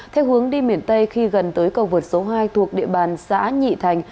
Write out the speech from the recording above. theo hướng đi miền tây khi gần tới cầu vượt số hai thuộc địa bàn xã nhị thành